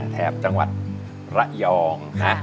แถบจังหวัดระยอง